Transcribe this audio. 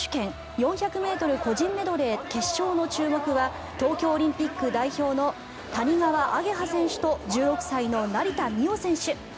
４００ｍ個人メドレー決勝の注目は東京オリンピック代表の谷川亜華葉選手と１６歳の成田実生選手。